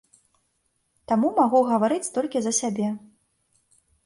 Таму магу гаварыць толькі за сябе.